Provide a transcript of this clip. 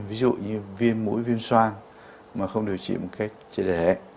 ví dụ như viêm mũi viêm soan mà không điều trị một cách chế đề